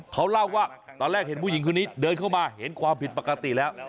เขาเล่าว่าตอนแรกเห็นผู้หญิงคนนี้เดินเข้ามาเห็นความผิดปกติแล้ว